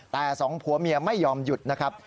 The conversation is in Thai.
แต่สองผัวเมียไม่ยอมหยุดนะครับ